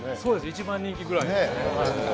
一番人気ぐらいです。